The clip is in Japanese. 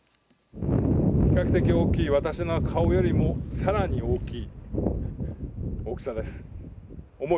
比較的大きい私の顔よりもさらに大きい大きさです、重い。